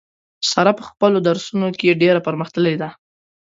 ساره په خپلو درسو نو کې ډېره پر مخ تللې ده.